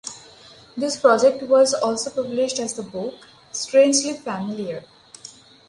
This project was also published as the book "Strangely Familiar".